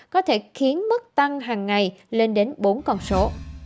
có thể khiến mức tăng hàng ngày lên đến bốn con số